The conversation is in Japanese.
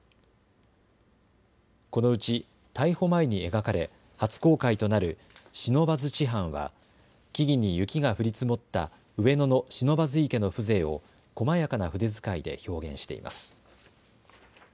このうち逮捕前に描かれ初公開となる不忍池畔は木々に雪が降り積もった上野の不忍池の風情をこまやかな筆使いで表現しています。